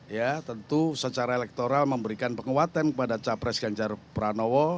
ya tentu secara elektoral memberikan penguatan kepada capres ganjar pranowo